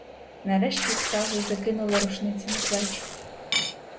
Нарешті встали й закинули рушниці на плечі.